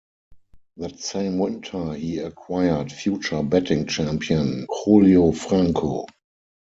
That same winter he acquired future batting champion Julio Franco.